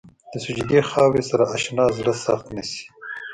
د سجدې خاورې سره اشنا زړه سخت نه شي.